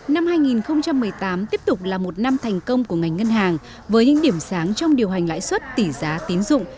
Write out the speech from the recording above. năm hai nghìn một mươi tám tiếp tục là một năm thành công của ngành ngân hàng với những điểm sáng trong điều hành lãi suất tỷ giá tín dụng